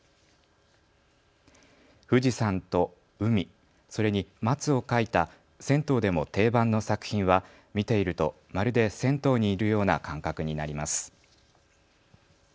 富士山と海、それに松を描いた銭湯でも定番の作品は見ているとまるで銭湯にいるような感覚になります。